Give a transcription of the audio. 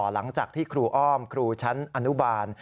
หลังจากที่ครูอ้อมครูชั้นอนุบาล